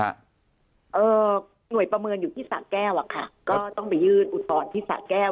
หน่วยประเมินอยู่ที่สะแก้วอ่ะค่ะก็ต้องไปยื่นอุทธรณ์ที่สะแก้ว